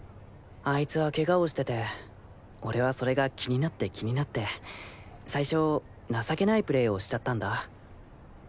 あいつは怪我をしてて俺はそれが気になって気になって最初情けないプレーをしちゃったんだ。